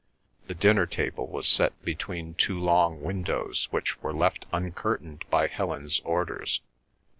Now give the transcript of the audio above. The dinner table was set between two long windows which were left uncurtained by Helen's orders.